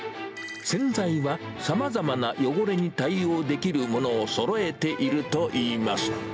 洗剤はさまざまな汚れに対応できるものをそろえているといいます。